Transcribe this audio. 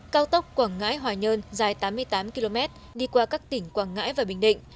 cao tốc quảng ngãi hòa nhơn dài tám mươi tám km đi qua các tỉnh quảng ngãi và bình định